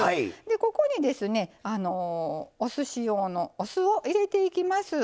ここに、おすし用のお酢を入れていきます。